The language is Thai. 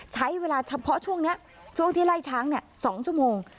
ใช้เวลาเฉพาะช่วงนี้ช่วงที่ไล่ช้าง๒ชั่วโมง